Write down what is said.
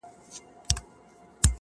چي خبره د رښتیا سي هم ترخه سي,